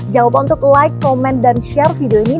jawaban untuk like komen dan share video ini